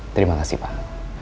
terima kasih pak